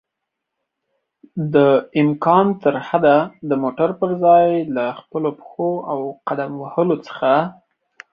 دامکان ترحده د موټر پر ځای له خپلو پښو او قدم وهلو څخه